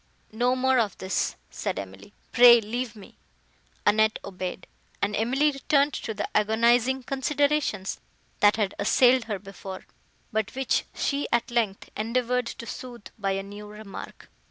'" "No more of this," said Emily, "pray leave me." Annette obeyed, and Emily returned to the agonizing considerations, that had assailed her before, but which she, at length, endeavoured to sooth by a new remark.